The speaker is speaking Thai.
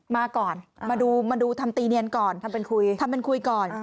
มาก่อนมาดูทำตีเนียนก่อนทำเป็นคุยก่อน